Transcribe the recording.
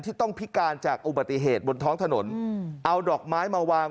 ที่ต้องพิการจากอุบัติเหตุบนท้องถนนเอาดอกไม้มาวาง